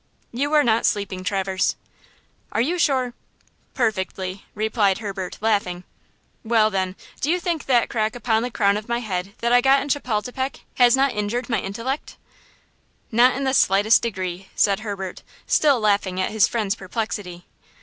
"You are not sleeping, Traverse!" "Are you sure?" "Perfectly," replied Herbert, laughing. "Well, then, do you think that crack upon the crown of my head that I got in Chapultepec has not injured my intellect?" "Not in the slightest degree!" said Herbert, still laughing at his friend's perplexity.